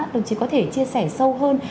đồng chí có thể chia sẻ sâu hơn